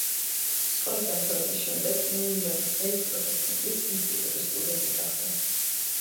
სკოლის დამთავრების შემდეგ ლენინგრადის ელექტროტექნიკის ინსტიტუტის სტუდენტი გახდა.